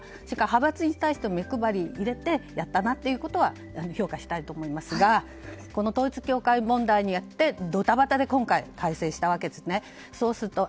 派閥に対しても目配り、入れてやったなということは評価したいと思いますが統一教会問題によってドタバタで今回改造したわけですね。